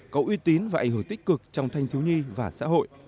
có uy tín và ảnh hưởng tích cực trong thanh thiếu nhi và xã hội